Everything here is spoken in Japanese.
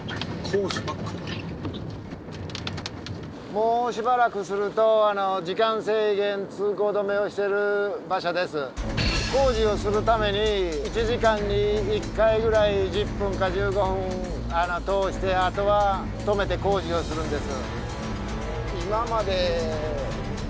もうしばらくすると工事をするために１時間に１回ぐらい１０分か１５分通してあとは止めて工事をするんです。